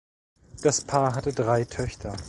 Das Paar hatte drei Töchter.